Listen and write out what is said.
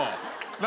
何？